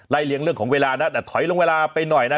เลี้ยงเรื่องของเวลานะแต่ถอยลงเวลาไปหน่อยนะ